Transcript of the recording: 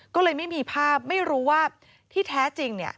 ก็เลยไม่มีภาพไม่รู้ว่าที่แท้จริงเนี่ย